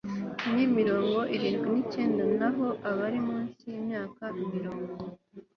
ni mirongo irindwi n icyenda naho abari munsi y imyaka mirongo